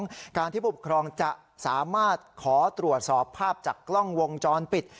ซึ่งการที่ผู้ปกครองจะสามารถขอตรวจสอบภาพจากกล้องวงจรปิด